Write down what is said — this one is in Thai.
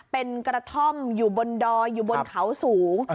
เป็นกระท่อมอยู่บนดอยอยู่บนเขาสูง